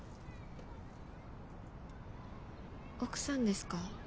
奥さんですか？